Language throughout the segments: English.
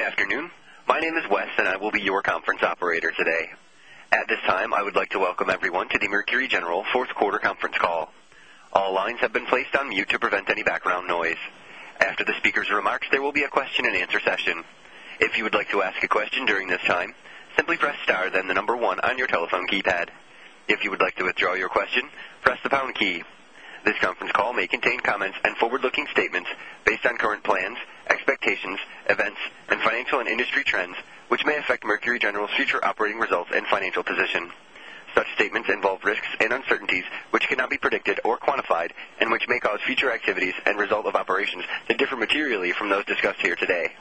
Good afternoon. My name is Wes and I will be your conference operator today. At this time, I would like to welcome everyone to the Mercury General fourth quarter conference call. All lines have been placed on mute to prevent any background noise. After the speaker's remarks, there will be a question and answer session. If you would like to ask a question during this time, simply press star, then the number one on your telephone keypad. If you would like to withdraw your question, press the pound key. This conference call may contain comments and forward-looking statements based on current plans, expectations, events, and financial and industry trends, which may affect Mercury General's future operating results and financial position. Such statements involve risks and uncertainties which cannot be predicted or quantified, and which may cause future activities and result of operations to differ materially from those discussed here today.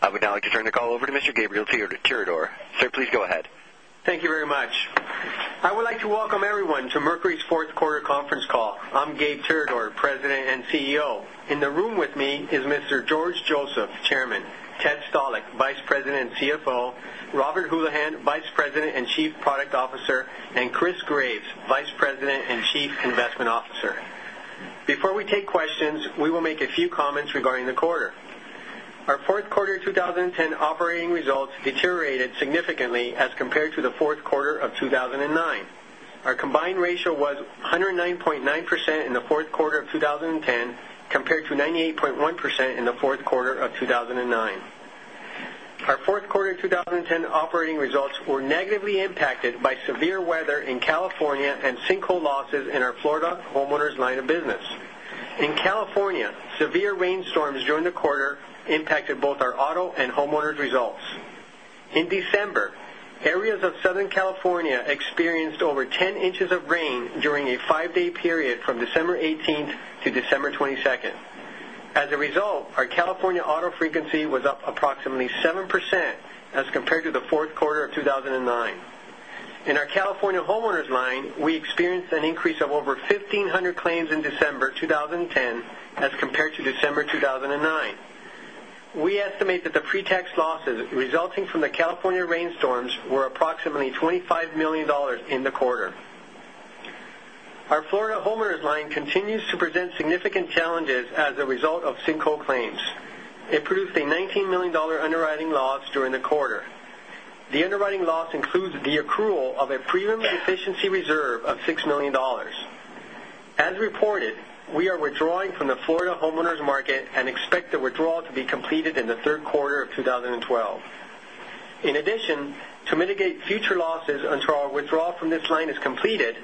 I would now like to turn the call over to Mr. Gabriel Tirador. Sir, please go ahead. Thank you very much. I would like to welcome everyone to Mercury's fourth quarter conference call. I'm Gabe Tirador, President and CEO. In the room with me is Mr. George Joseph, Chairman, Ted Stalick, Vice President and CFO, Robert Houlihan, Vice President and Chief Product Officer, and Chris Graves, Vice President and Chief Investment Officer. Before we take questions, we will make a few comments regarding the quarter. Our fourth quarter 2010 operating results deteriorated significantly as compared to the fourth quarter of 2009. Our combined ratio was 109.9% in the fourth quarter of 2010, compared to 98.1% in the fourth quarter of 2009. Our fourth quarter 2010 operating results were negatively impacted by severe weather in California and sinkhole losses in our Florida homeowners line of business. In California, severe rainstorms during the quarter impacted both our auto and homeowners results. In December, areas of Southern California experienced over 10 inches of rain during a five-day period from December 18th to December 22nd. As a result, our California auto frequency was up approximately 7% as compared to the fourth quarter of 2009. In our California homeowners line, we experienced an increase of over 1,500 claims in December 2010 as compared to December 2009. We estimate that the pre-tax losses resulting from the California rainstorms were approximately $25 million in the quarter. Our Florida homeowners line continues to present significant challenges as a result of sinkhole claims. It produced a $19 million underwriting loss during the quarter. The underwriting loss includes the accrual of a premium deficiency reserve of $6 million. As reported, we are withdrawing from the Florida homeowners market and expect the withdrawal to be completed in the third quarter of 2012. In addition, to mitigate future losses until our withdrawal from this line is completed,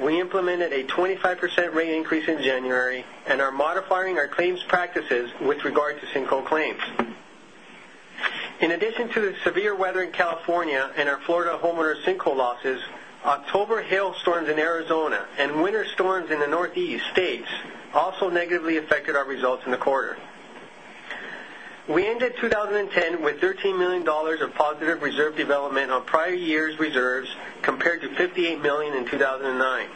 we implemented a 25% rate increase in January and are modifying our claims practices with regard to sinkhole claims. In addition to the severe weather in California and our Florida homeowners sinkhole losses, October hailstorms in Arizona and winter storms in the Northeast states also negatively affected our results in the quarter. We ended 2010 with $13 million of positive reserve development on prior years reserves compared to $58 million in 2009.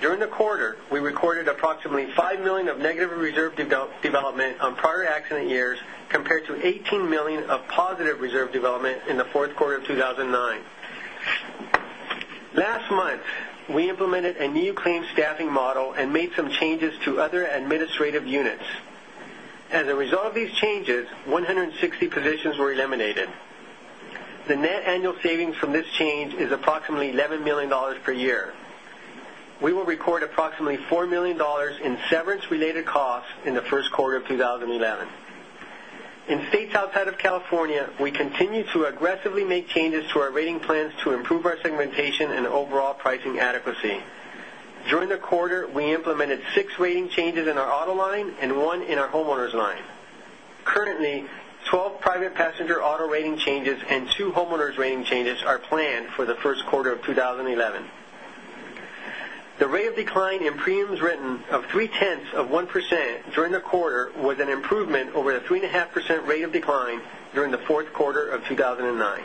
During the quarter, we recorded approximately $5 million of negative reserve development on prior accident years compared to $18 million of positive reserve development in the fourth quarter of 2009. Last month, we implemented a new claims staffing model and made some changes to other administrative units. As a result of these changes, 160 positions were eliminated. The net annual savings from this change is approximately $11 million per year. We will record approximately $4 million in severance related costs in the first quarter of 2011. In states outside of California, we continue to aggressively make changes to our rating plans to improve our segmentation and overall pricing adequacy. During the quarter, we implemented six rating changes in our auto line and one in our homeowners line. Currently, 12 private passenger auto rating changes and two homeowners rating changes are planned for the first quarter of 2011. The rate of decline in premiums written of three-tenths of 1% during the quarter was an improvement over the 3.5% rate of decline during the fourth quarter of 2009.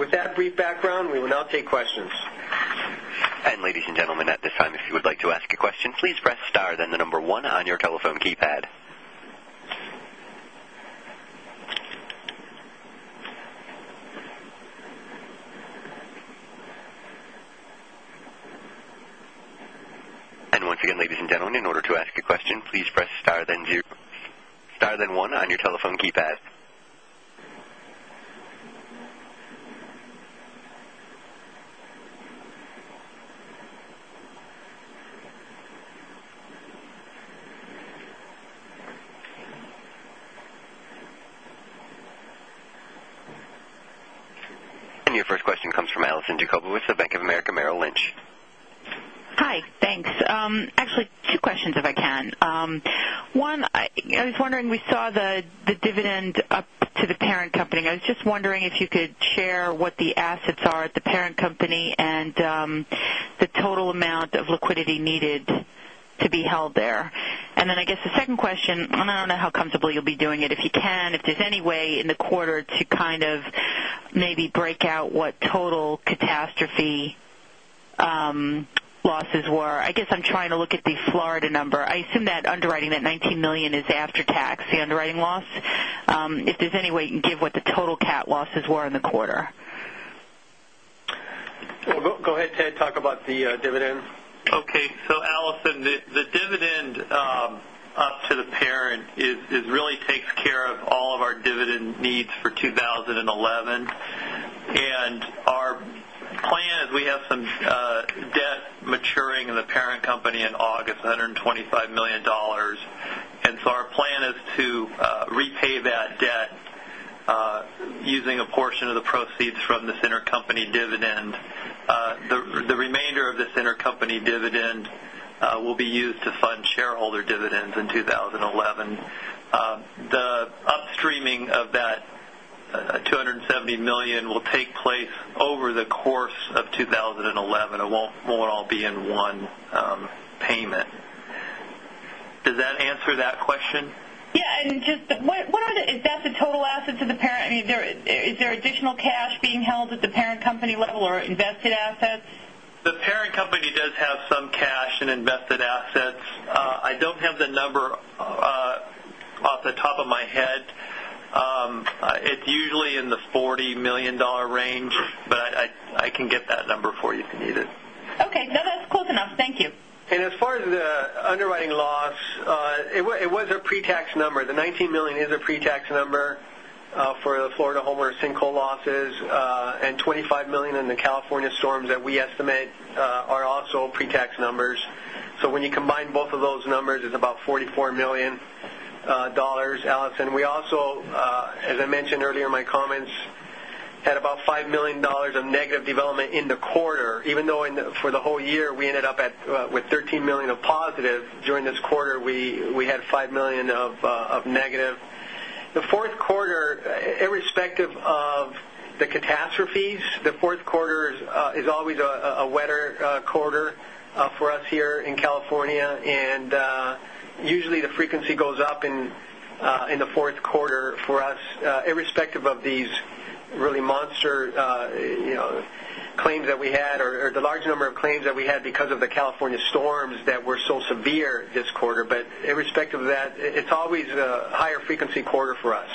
With that brief background, we will now take questions. Ladies and gentlemen, at this time, if you would like to ask a question, please press star then the number one on your telephone keypad. Once again, ladies and gentlemen, in order to ask a question, please press star then one on your telephone keypad. Your first question comes from Allison Jacobs with the Bank of America Merrill Lynch. Hi. Thanks. Actually, two questions if I can. One, I was wondering, we saw the dividend up to the parent company. I was just wondering if you could share what the assets are at the parent company and the total amount of liquidity needed to be held there. Then I guess the second question, I don't know how comfortable you'll be doing it. If you can, if there's any way in the quarter to kind of maybe break out what total catastrophe losses were. I guess I'm trying to look at the Florida number. I assume that underwriting that $19 million is after-tax, the underwriting loss. If there's any way you can give what the total cat losses were in the quarter? Ted, talk about the dividends. Okay. Allison, the dividend up to the parent really takes care of all of our dividend needs for 2011. Our plan is we have some debt maturing in the parent company in August, $125 million. Our plan is to repay that debt using a portion of the proceeds from this intercompany dividend. The remainder of this intercompany dividend will be used to fund shareholder dividends in 2011. The upstreaming of that $270 million will take place over the course of 2011. It won't all be in one payment. Does that answer that question? Yeah. Is that the total asset to the parent? Is there additional cash being held at the parent company level or invested assets? The parent company does have some cash and invested assets. I don't have the number off the top of my head. It's usually in the $40 million range, but I can get that number for you if you need it. Okay. No, that's close enough. Thank you. As far as the underwriting loss, it was a pre-tax number. The $19 million is a pre-tax number for the Florida homeowners' sinkhole losses, and $25 million in the California storms that we estimate are also pre-tax numbers. When you combine both of those numbers, it's about $44 million, Allison. We also, as I mentioned earlier in my comments, had about $5 million of negative development in the quarter, even though for the whole year, we ended up with $13 million of positive. During this quarter, we had $5 million of negative. The fourth quarter, irrespective of the catastrophes, the fourth quarter is always a wetter quarter for us here in California. Usually the frequency goes up in the fourth quarter for us, irrespective of these really monster claims that we had or the large number of claims that we had because of the California storms that were so severe this quarter. Irrespective of that, it's always a higher frequency quarter for us.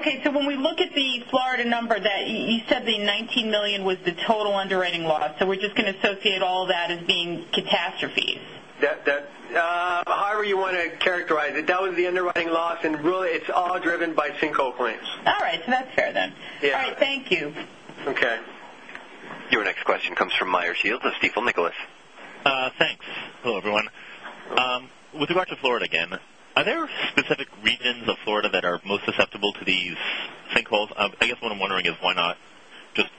Okay. When we look at the Florida number, you said the $19 million was the total underwriting loss. We're just going to associate all that as being catastrophes. However you want to characterize it. That was the underwriting loss, and really it's all driven by sinkhole claims. All right. That's fair then. Yeah. All right, thank you. Okay. Your next question comes from Meyer Shields of Stifel Nicolaus. Thanks. Hello, everyone. With regard to Florida again, are there specific regions of Florida that are most susceptible to these sinkholes? I guess what I'm wondering is why not just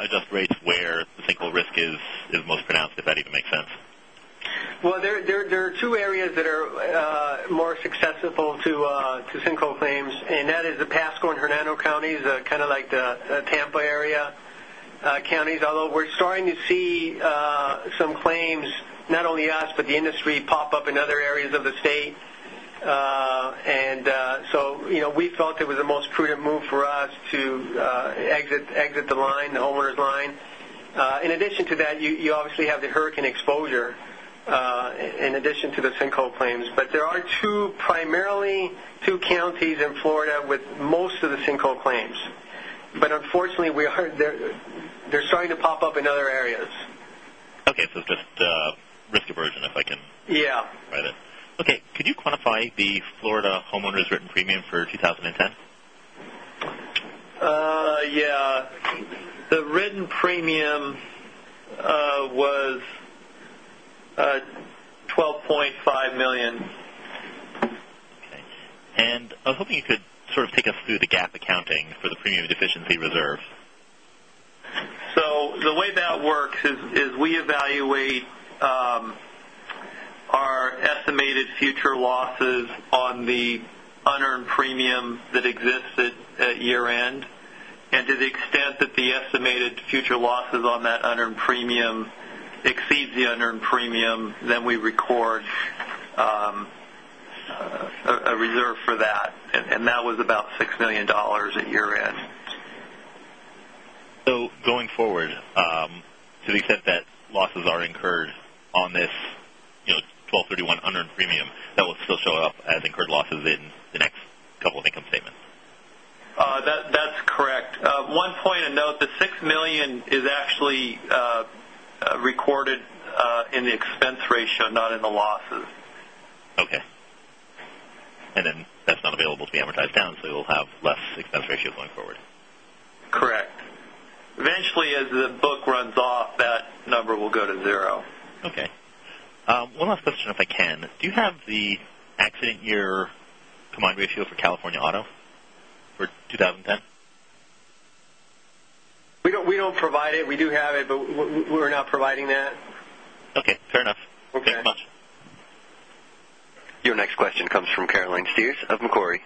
adjust rates where the sinkhole risk is most pronounced, if that even makes sense? Well, there are two areas that are more successful to sinkhole claims, and that is the Pasco and Hernando counties, kind of like the Tampa area counties. We're starting to see some claims, not only us, but the industry pop up in other areas of the state. We felt it was the most prudent move for us to exit the line, the homeowners line. In addition to that, you obviously have the hurricane exposure in addition to the sinkhole claims. There are primarily two counties in Florida with most of the sinkhole claims. Unfortunately, they're starting to pop up in other areas. Okay. It's just risk aversion, if I can- Yeah. -put it. Okay. Could you quantify the Florida homeowners' written premium for 2010? Yeah. The written premium was $12.5 million. Okay. I was hoping you could sort of take us through the GAAP accounting for the premium deficiency reserve. The way that works is we evaluate our estimated future losses on the unearned premium that exists at year-end. To the extent that the estimated future losses on that unearned premium exceeds the unearned premium, we record a reserve for that was about $6 million at year-end. Going forward, to the extent that losses are incurred on this $123,100 in premium, that will still show up as incurred losses in the next couple of income statements. That's correct. One point of note, the $6 million is actually recorded in the expense ratio, not in the losses. Okay. That's not available to be amortized down, so you'll have less expense ratio going forward. Correct. Eventually, as the book runs off, that number will go to zero. Okay. One last question, if I can. Do you have the accident year combined ratio for California auto for 2010? We don't provide it. We do have it, but we're not providing that. Okay, fair enough. Okay. Thanks much. Your next question comes from Caroline Speirs of Macquarie.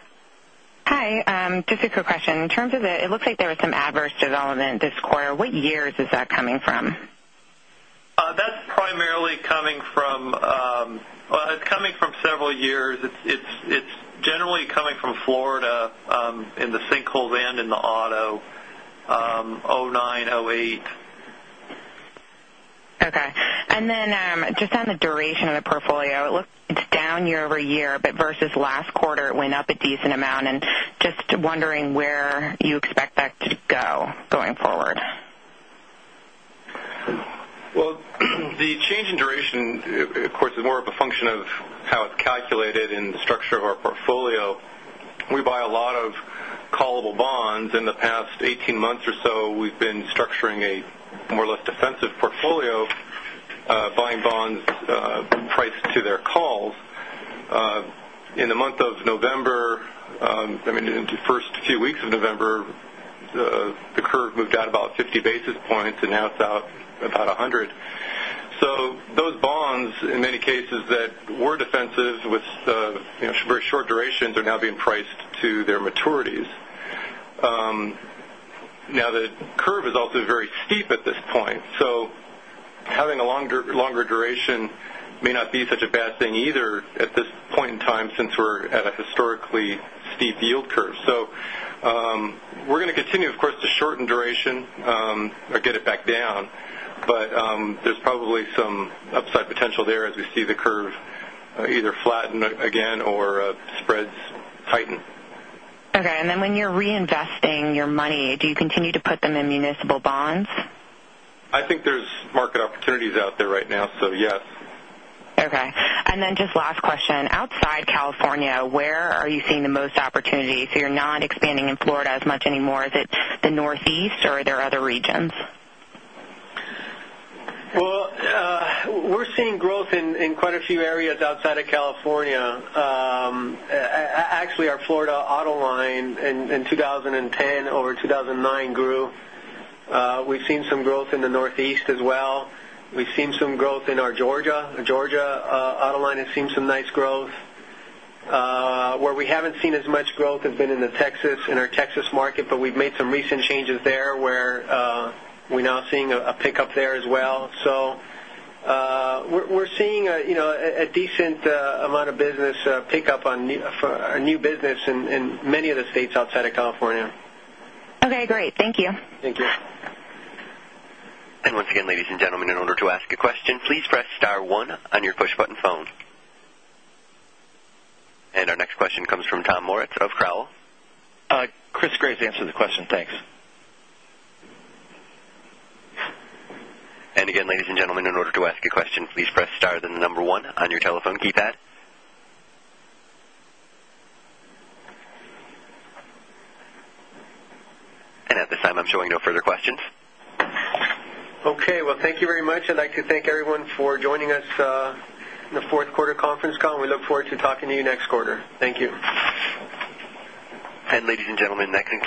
Hi. Just a quick question. In terms of it looks like there was some adverse development this quarter. What years is that coming from? That's primarily coming from several years. It's generally coming from Florida in the sinkhole and in the auto, 2009, 2008. Just on the duration of the portfolio, it looks it's down year-over-year, versus last quarter, it went up a decent amount. Just wondering where you expect that to go going forward. Well, the change in duration, of course, is more of a function of how it's calculated in the structure of our portfolio. We buy a lot of callable bonds. In the past 18 months or so, we've been structuring a more or less defensive portfolio, buying bonds priced to their calls. In the month of November, the first few weeks of November, the curve moved out about 50 basis points, now it's out about 100. Those bonds, in many cases, that were defensive with very short durations, are now being priced to their maturities. The curve is also very steep at this point, so having a longer duration may not be such a bad thing either at this point in time since we're at a historically steep yield curve. We're going to continue, of course, to shorten duration or get it back down. There's probably some upside potential there as we see the curve either flatten again or spreads tighten. Okay. When you're reinvesting your money, do you continue to put them in municipal bonds? I think there's market opportunities out there right now. Yes. Okay. Just last question. Outside California, where are you seeing the most opportunity? You're not expanding in Florida as much anymore. Is it the Northeast or are there other regions? Well, we're seeing growth in quite a few areas outside of California. Actually, our Florida auto line in 2010 over 2009 grew. We've seen some growth in the Northeast as well. We've seen some growth in our Georgia auto line. It's seen some nice growth. Where we haven't seen as much growth has been in our Texas market, but we've made some recent changes there where we're now seeing a pickup there as well. We're seeing a decent amount of business pick up on new business in many of the states outside of California. Okay, great. Thank you. Thank you. Once again, ladies and gentlemen, in order to ask a question, please press star one on your push button phone. Our next question comes from Tom Moritz of Crowell. Chris Graves answered the question. Thanks. Again, ladies and gentlemen, in order to ask a question, please press star, then the number one on your telephone keypad. At this time, I'm showing no further questions. Okay. Well, thank you very much. I'd like to thank everyone for joining us on the fourth quarter conference call, and we look forward to talking to you next quarter. Thank you. Ladies and gentlemen, that concludes